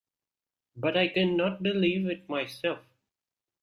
But I cannot believe it myself.